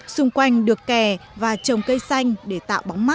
xung quanh được kè và trồng cây xanh để tạo bóng mát